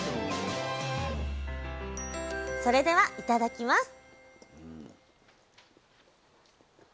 それではいただきます！